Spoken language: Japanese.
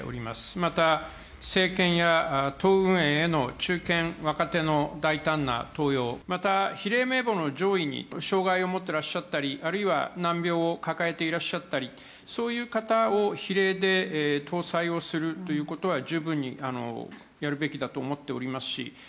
また、政権や党運営への、中堅・若手の大胆な登用、また、比例名簿の上位に障がいを持ってらっしゃったり、あるいは難病を抱えていらっしゃったり、そういう方を、比例で登載をするということは、十分にやるべきだと思っておりますし。